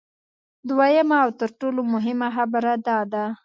دویمه او تر ټولو مهمه خبره دا ده